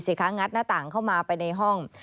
คะงัดหน้าต่างเข้ามาไปในห้อง